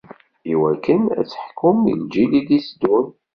Iwakken ad teḥkum i lǧil i d-itteddun.